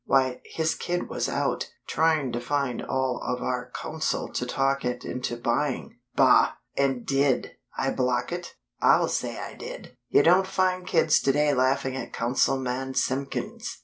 Why, his kid was out, trying to find all of our Council to talk it into buying. Bah! And did I block it? I'll say I did! You don't find kids today laughing at Councilman Simpkins."